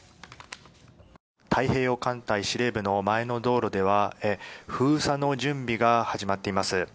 太平洋艦隊司令部の前の道路では封鎖の準備が始まっています。